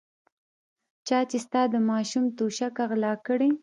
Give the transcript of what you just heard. چا چې ستا د ماشوم توشکه غلا کړې.